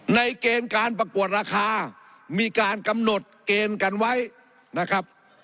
เกณฑ์การประกวดราคามีการกำหนดเกณฑ์กันไว้นะครับ